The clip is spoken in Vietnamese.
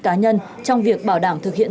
cá nhân trong việc bảo đảm thực hiện